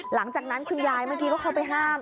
หลังจากนั้นคุณยายเมื่อกี้ก็เข้าไปห้าม